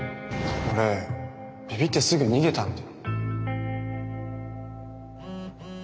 俺びびってすぐ逃げたんで。